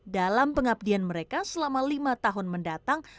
dalam pengabdian mereka selama lima tahun mendatang